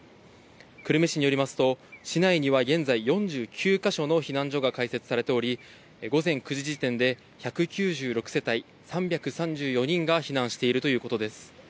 久留米市によりますと、市内には現在４９か所の避難所が開設されており、午前９時時点で１９６世帯３３４人が避難しているということです。